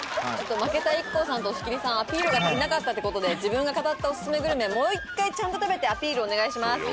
負けたＩＫＫＯさんと押切さんアピールが足りなかったってことで自分が語ったオススメグルメをもう一回ちゃんと食べてアピールお願いします